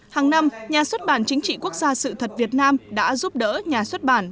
hàng năm nhà xuất bản chính trị quốc gia sự thật việt nam đã giúp đỡ nhà xuất bản